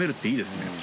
いいですね。